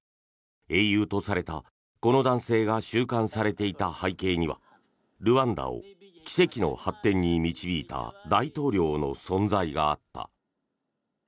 英雄とされたこの男性が収監されていた背景にはルワンダを奇跡の発展に導いた大統領の存在があった。